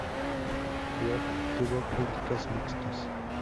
Wet tuvo críticas mixtas.